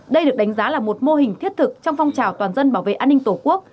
đây được đánh giá là một mô hình thiết thực trong phong trào toàn dân bảo vệ an ninh tổ quốc